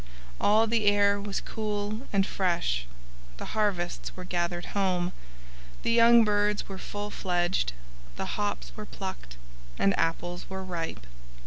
All the air was cool and fresh; the harvests were gathered home, the young birds were full fledged, the hops were plucked, and apples were ripe.